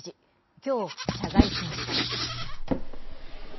きょう、謝罪しました。